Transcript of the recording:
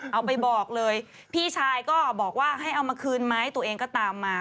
เอาไปบอกเลยพี่ชายก็บอกว่าให้เอามาคืนไหมตัวเองก็ตามมา